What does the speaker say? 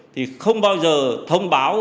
thì không bao giờ thông báo